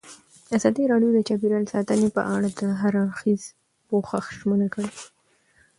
ازادي راډیو د چاپیریال ساتنه په اړه د هر اړخیز پوښښ ژمنه کړې.